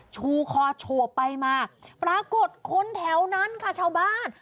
ชูคอโฉบไปมาปรากฏคนแถวนั้นค่ะชาวบ้าน